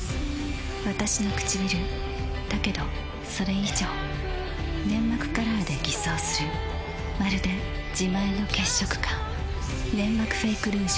わたしのくちびるだけどそれ以上粘膜カラーで偽装するまるで自前の血色感「ネンマクフェイクルージュ」